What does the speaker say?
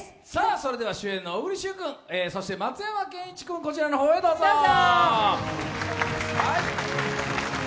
それでは主演の小栗旬君、松山ケンイチ君、こちらの方へどうぞ。